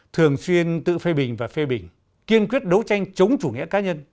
thường xuyên tự phê bình và phê bình kiên quyết đấu tranh chống chủ nghĩa cá nhân